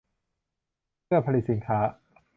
เพื่อผลิตสินค้า